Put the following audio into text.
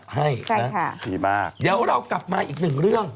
เดี๋ยวเรากลับมาอีกหนึ่งเรื่อง